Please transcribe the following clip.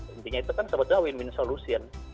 intinya itu kan sebetulnya win win solution